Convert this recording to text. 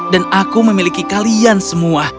dan aku memiliki kalian semua